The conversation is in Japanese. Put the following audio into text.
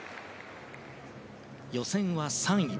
予選は３位。